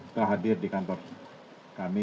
setelah hadir di kantor kami